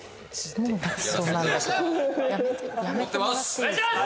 お願いします！